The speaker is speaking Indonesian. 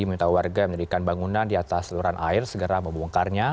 meminta warga menjadikan bangunan di atas seluruh air segera membongkarnya